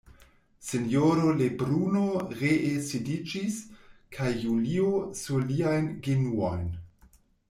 Sinjoro Lebruno ree sidiĝis kaj Julio sur liajn genuojn.